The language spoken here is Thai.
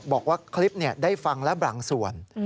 บอกว่าคลิปได้ฟังแล้วบางส่วน